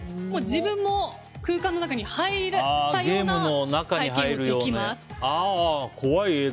自分も空間の中に入れたかのような体験をできます。